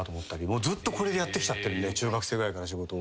もうずっとこれでやってきちゃってるんで中学生ぐらいから仕事を。